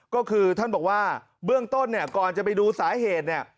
ก็คือท่านบอกว่าเบื้องต้นเนี่ยก่อนจะไปดูสาเหตุเนี่ย